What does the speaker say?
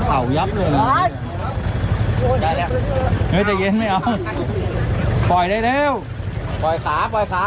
ตายับเลยเหรอได้แล้วเฮ้ยใจเย็นไม่เอาปล่อยได้เร็วปล่อยขาปล่อยขา